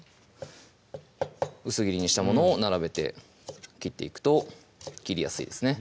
薄切りにしたものを並べて切っていくと切りやすいですね